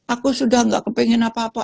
aku sudah gak kepengen apa apa